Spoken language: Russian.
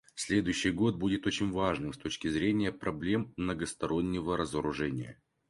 Следующий год будет очень важным с точки зрения проблем многостороннего разоружения.